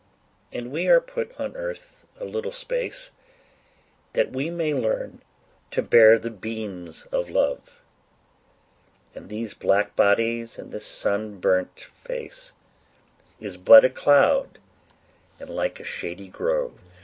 'And we are put on earth a little space, That we may learn to bear the beams of love; And these black bodies and this sunburnt face Are but a cloud, and like a shady grove.